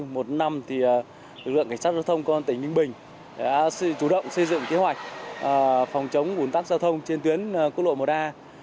một năm lực lượng cảnh sát giao thông của tỉnh ninh bình đã chủ động xây dựng kế hoạch phòng chống bùn tắc giao thông trên tuyến cô lộ một a